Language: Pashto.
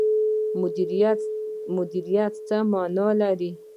مدیریت څه مانا لري؟